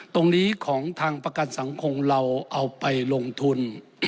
ตรงนี้ของทางประกันสังคมเราเอาไปลงทุน